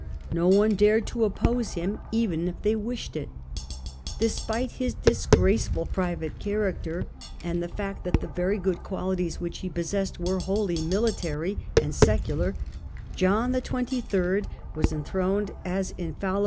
No one dared to oppose him even if they wished it. Despite his disgraceful private character and the fact that the few good qualities which he possessed were wholly mili johu tary and secular, John XXIII. was enthroned as infal £!"